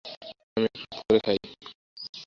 আমি একটু রাত করে খাই।